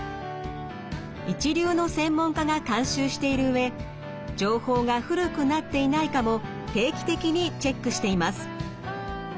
一流の専門家が監修している上情報が古くなっていないかも定期的にチェックしています。